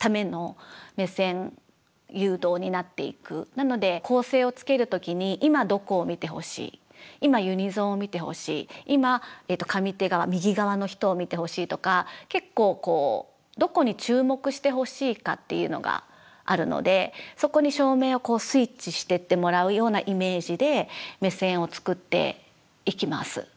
なので構成をつける時に今どこを見てほしい今ユニゾンを見てほしい今上手側右側の人を見てほしいとか結構こうどこに注目してほしいかっていうのがあるのでそこに照明をスイッチしてってもらうようなイメージで目線を作っていきます。